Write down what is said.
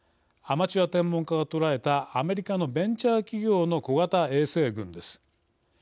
アマチュア天文家が捉えたアメリカのベンチャー企業の小型衛星群です。